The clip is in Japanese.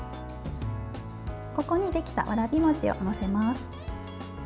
ここにできたわらびもちを載せます。